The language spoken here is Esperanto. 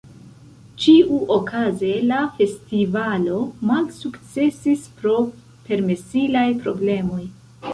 Ĉiuokaze la festivalo malsukcesis pro permesilaj problemoj.